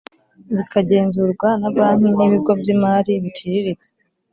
bikagenzurwa na banki n ibigo by imari biciriritse